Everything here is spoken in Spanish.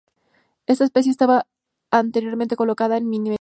Esta especie estaba anteriormente colocada en "Myrmeciza".